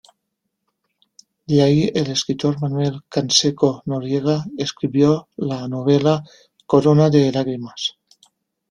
De ahí el escritor Manuel Canseco Noriega escribió la novela "Corona de lágrimas".